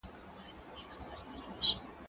زه اجازه لرم چې کار وکړم!؟